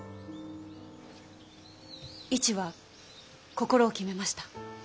市は心を決めました。